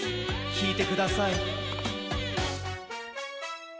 きいてください。